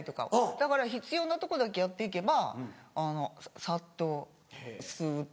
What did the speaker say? だから必要なとこだけやって行けばサっとスっと。